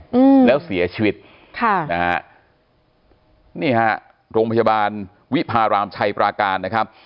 อืมแล้วเสียชีวิตค่ะนะฮะนี่ฮะโรงพยาบาลวิพารามชัยปราการนะครับ